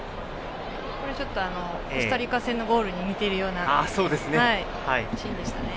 コスタリカ戦のゴールに似ているようなシーンでしたね。